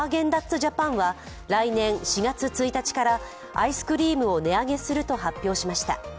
ジャパンは来年４月１日からアイスクリームを値上げすると発表しました。